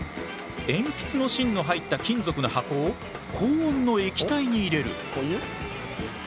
えんぴつの芯の入った金属の箱を高温の液体に入れる。